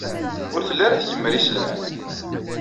Ur telli ara tgemmer iselman.